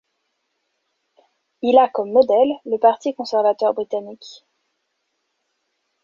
Il a comme modèle le Parti conservateur britannique.